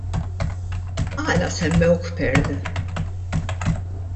Għala semmewk Pearl?